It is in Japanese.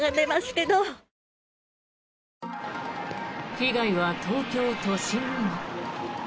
被害は東京都心にも。